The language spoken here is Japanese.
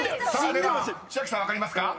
［では千秋さん分かりますか］